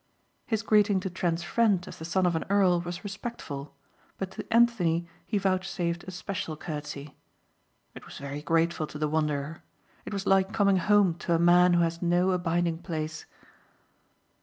His greeting to Trent's friend as the son of an earl was respectful, but to Anthony he vouchsafed especial courtesy. It was very grateful to the wanderer. It was like coming home to a man who has no abiding place.